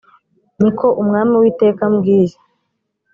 ni ko umwami uwiteka ambwiye